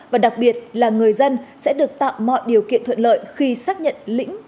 và đặc biệt là người dân sẽ được tạo mọi điều kiện thuận lợi khi xác nhận lĩnh